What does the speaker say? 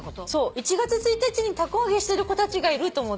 １月１日にたこ揚げしてる子たちがいると思って。